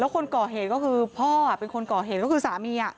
แล้วพ่อเป็นคนก่อเหตุเป็นคนก่อเหตุคือสามีอ่ะ